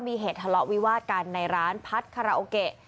มีเหตุทะเลาะวิวาดกันในร้านพัดคาราโอเกะ